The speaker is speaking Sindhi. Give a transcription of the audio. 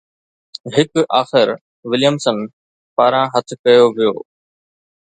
هڪ آخر وليمسن پاران هٿ ڪيو ويو